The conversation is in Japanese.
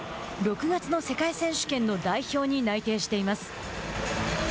６月の世界選手権の代表に内定しています。